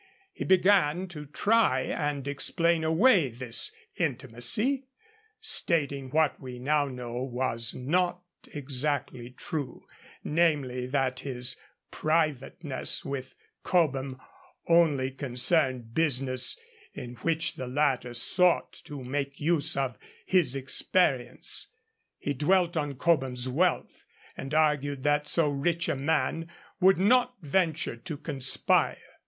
He began to try and explain away this intimacy, stating what we now know was not exactly true, namely that his 'privateness' with Cobham only concerned business, in which the latter sought to make use of his experience. He dwelt on Cobham's wealth, and argued that so rich a man would not venture to conspire.